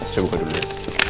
saya buka dulu ya